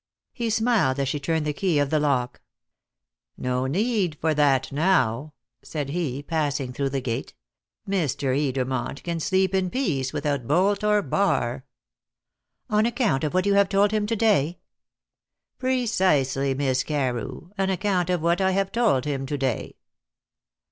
He smiled as she turned the key of the lock. "No need for that now," said he, passing through the gate. "Mr. Edermont can sleep in peace without bolt or bar." "On account of what you have told him to day?" "Precisely, Miss Carew; on account of what I have told him to day."